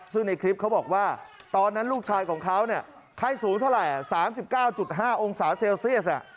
ซึ่งในคลิปเขาบอกว่าตอนนั้นลูกชายของเขาไข้สูงเท่าไหร่๓๙๕องศาเซลเซียส